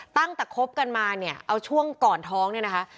ตั้งแต่คบกันมาเนี่ยเอาช่วงก่อนท้องเนี่ยนะคะ